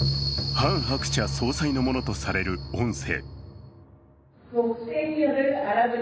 ハン・ハクチャ総裁のものとされる音声。